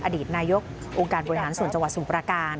อดีตนายกองค์การบริหารส่วนจังหวัดสมุทรประการ